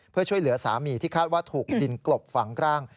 เพื่อช่วยเหลือสามีที่คาดว่าถูกดินกลบฝังร่าง